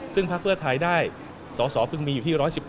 ซึ่งพักเพื่อไทยได้สอสอเพิ่งมีอยู่ที่๑๑๘